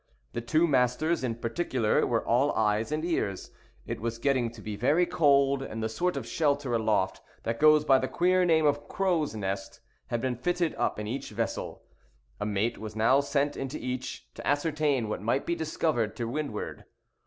The two masters, in particular, were all eyes and ears. It was getting to be very cold; and the sort of shelter aloft that goes by the queer name of "crow's nest" had been fitted up in each vessel. A mate was now sent into each, to ascertain what might be discovered to windward.